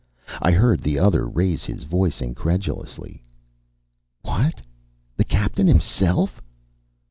I heard the other raise his voice incredulously "What? The Captain himself?"